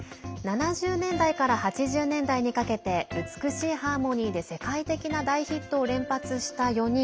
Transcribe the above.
７０年代から８０年代にかけて美しいハーモニーで世界的な大ヒットを連発した４人。